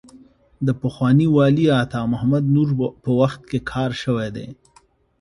د پخواني والي عطا محمد نور په وخت کې کار شوی دی.